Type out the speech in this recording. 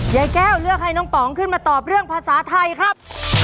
ยายแก้วเลือกให้น้องป๋องขึ้นมาตอบเรื่องภาษาไทยครับ